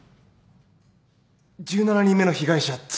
１７人目の被害者辻